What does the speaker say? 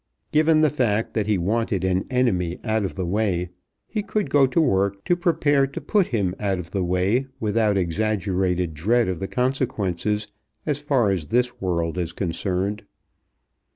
Given the fact that he wanted an enemy out of the way, he could go to work to prepare to put him out of the way without exaggerated dread of the consequences as far as this world is concerned.